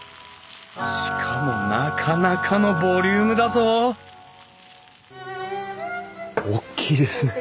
しかもなかなかのボリュームだぞ大きいですね。